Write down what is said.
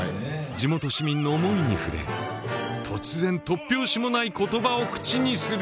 地元市民の思いに触れ突然突拍子もない言葉を口にする